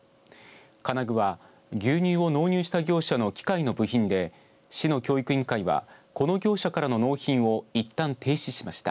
金具は、牛乳を納入した業者の機械の部品で市の教育委員会はこの業者からの納品をいったん停止しました。